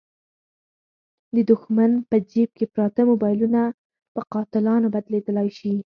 د دوښمن په جیب کې پراته موبایلونه په قاتلانو بدلېدلای شي.